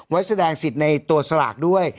ไว้แสดงสิทธิ์ในตัวสลากด้วย